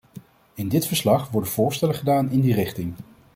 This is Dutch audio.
In dit verslag worden voorstellen gedaan in die richting.